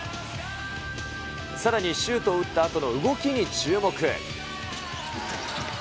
さらに、シュートを打ったあとの動きに注目。